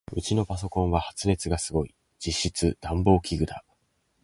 ウチのパソコンは発熱がすごい。実質暖房器具だ。